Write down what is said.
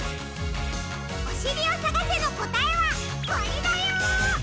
「おしりをさがせ！！」のこたえはこれだよ。